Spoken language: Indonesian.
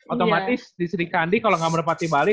otomatis di sri kandi kalo gak menempatin bali